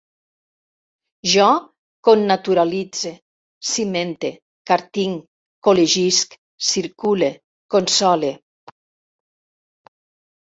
Jo connaturalitze, cimente, cartinc, col·legisc, circule, console